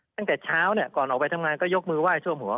ตั้งแต่เช้าก่อนออกไปทำงานก็ยกมือไหว้ท่วมหัว